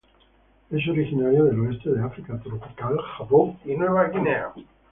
Es originario del oeste de África tropical, Japón y Nueva Guinea.